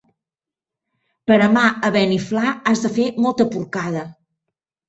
Per amar a Beniflà has de fer molta porcada.